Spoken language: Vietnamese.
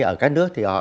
ở các nước thì họ